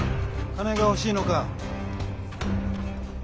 金が欲しいのか。